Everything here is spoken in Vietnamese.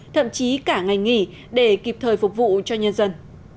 thậm chí cả ngày nghỉ để kịp thời phục vụ cho nhân dân